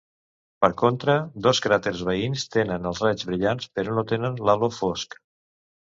Per contra, dos cràters veïns tenen els raigs brillants però no tenen l'halo fosc.